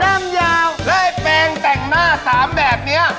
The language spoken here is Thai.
ดำยาวและแป้งแต่งหน้า๓แบบนี้